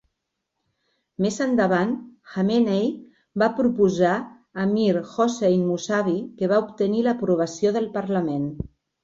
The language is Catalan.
Més endavant, Khamenei va proposar a Mir-Hossein Mousavi, que va obtenir l'aprovació del parlament.